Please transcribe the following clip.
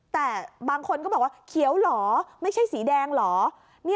แต่บางคนก็บอกว่าเขียวเหรอไม่ใช่สีแดงเหรอ